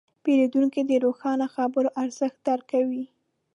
پیرودونکی د روښانه خبرو ارزښت درک کوي.